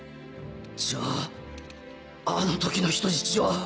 じゃああの時の人質は。